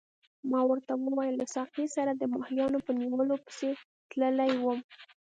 ما ورته وویل له ساقي سره د ماهیانو په نیولو پسې تللی وم.